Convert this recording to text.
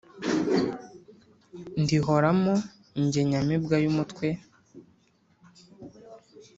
Ndihoramo jye nyamibwa y’umutwe.